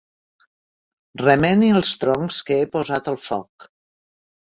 Remeni els troncs que he posat al foc.